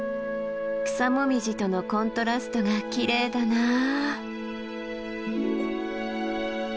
草紅葉とのコントラストがきれいだなあ。